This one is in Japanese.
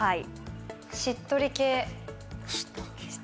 しっとり系。